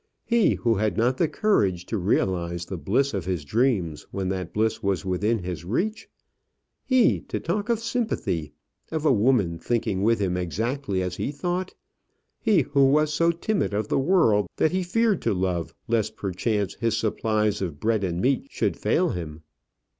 he who had not the courage to realize the bliss of his dreams when that bliss was within his reach! He, to talk of sympathy, of a woman thinking with him exactly as he thought! he who was so timid of the world that he feared to love less perchance his supplies of bread and meat should fail him!